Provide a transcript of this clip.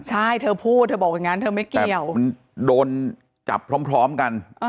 ใช่เธอพูดเธอบอกอย่างนั้นเธอไม่เกี่ยวมันโดนจับพร้อมกัน